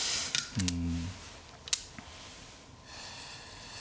うん。